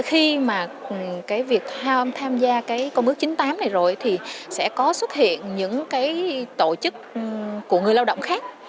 khi mà việc tham gia công ước chín mươi tám này rồi thì sẽ có xuất hiện những tổ chức của người lao động khác